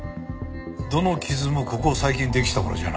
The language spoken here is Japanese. どの傷もここ最近できたものじゃない。